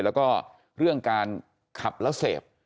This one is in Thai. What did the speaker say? แล้วก็เรื่องการขับแล้วเสพ